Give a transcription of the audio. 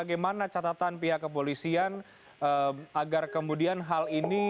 bagaimana catatan pihak kepolisian agar kemudian hal ini